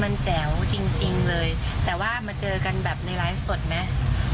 มันแจ๋วจริงจริงเลยแต่ว่ามาเจอกันแบบในไลฟ์สดไหม